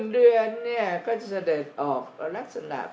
๑เดือนเนี่ยก็จะเสด็จออก